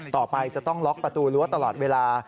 ต่อไปจะต้องล็อกประตูรั้วตลอดเวลา